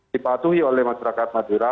dipatuhi oleh masyarakat madura